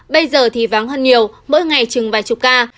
bây giờ thì vắng hơn nhiều mỗi ngày chừng vài chục ca